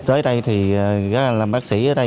tới đây thì các bác sĩ ở đây